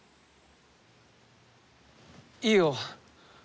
いいよ！